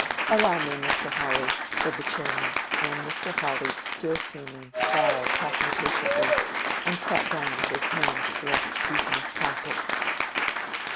"Allow me, Mr. Hawley," said the chairman; and Mr. Hawley, still fuming, bowed half impatiently, and sat down with his hands thrust deep in his pockets.